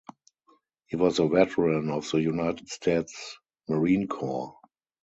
He was a veteran of the United States Marine Corps.